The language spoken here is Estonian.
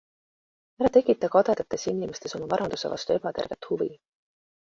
Ära tekita kadedates inimestes oma varanduse vastu ebatervet huvi.